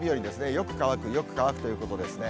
よく乾く、よく乾くということですね。